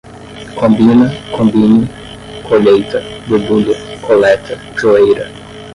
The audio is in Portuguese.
combina, combine, colheita, debulha, coleta, joeira